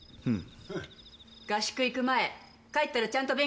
うん。